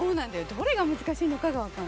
どれが難しいのかがわかんない。